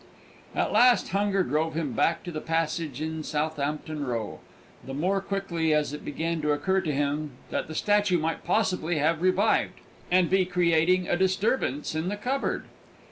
At last hunger drove him back to the passage in Southampton Row, the more quickly as it began to occur to him that the statue might possibly have revived, and be creating a disturbance in the cupboard.